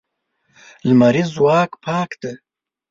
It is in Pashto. لمریز ځواک پاک دی.